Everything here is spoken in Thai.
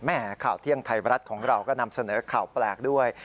ข่าวเที่ยงไทยรัฐของเราก็นำเสนอข่าวแปลกด้วย